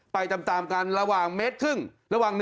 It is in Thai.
ไปตามกันระหว่าง๑๑๕เมตร